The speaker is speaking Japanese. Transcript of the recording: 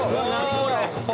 これ。